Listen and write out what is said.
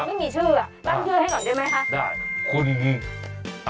ไม่มีชื่อนั่งชื่อให้หน่อยได้ไหมคะ